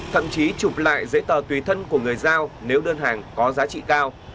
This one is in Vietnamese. thậm chí chụp lại giấy tờ tùy thân của người giao nếu đơn hàng có giá trị cao